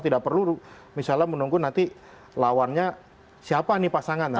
tidak perlu misalnya menunggu nanti lawannya siapa nih pasangan